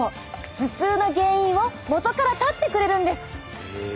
頭痛の原因をもとから断ってくれるんです！